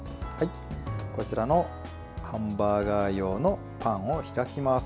こちらのハンバーガー用のパンを開きます。